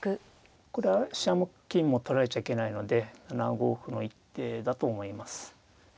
これは飛車も金も取られちゃいけないので７五歩の一手だと思います。